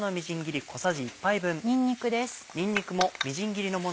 にんにくです。